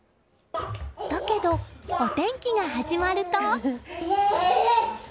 だけど、お天気が始まると。